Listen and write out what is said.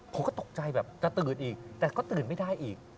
ผมก็ตกใจแบบจะตื่นอีกแต่ก็ตื่นไม่ได้อีก